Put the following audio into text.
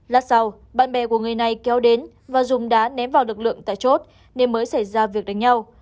lát sau bạn bè của người này kéo đến và dùng đá ném vào lực lượng tại chốt nên mới xảy ra việc đánh nhau